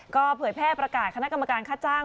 ก็เผยแพร่ประกาศคณะกรรมการค่าจ้าง